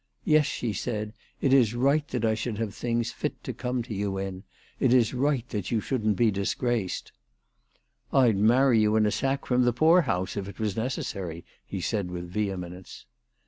" Yes," she said, " it is right that I should have things fit to come to you in. It is right that you shouldn't be disgraced." "I'd marry you in a sack from the poor house, if it were necessary," he said with vehemence.